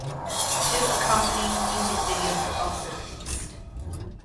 Two accompanying music videos were also released.